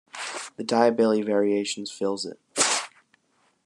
The Diabelli Variations fills it.